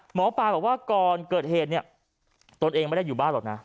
หมอปลาบอกว่าก่อนเกิดเหตุเนี่ยตนเองไม่ได้อยู่บ้านหรอกนะ